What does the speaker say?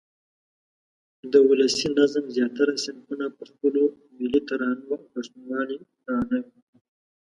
ده د ولسي نظم زیاتره صنفونه په خپلو ملي ترانو او پښتونوالې راڼه کړه.